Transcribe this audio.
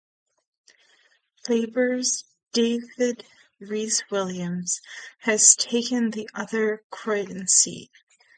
Labour's David Rees-Williams had taken the other Croydon seat.